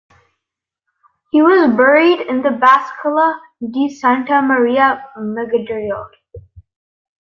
He was buried in the Basilica di Santa Maria Maggiore.